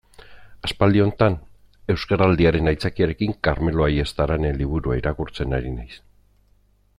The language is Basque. Aspaldi honetan, Euskaraldiaren aitzakiarekin, Karmelo Ayestaren liburua irakurtzen ari naiz.